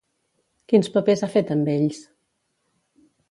Quins papers ha fet amb ells?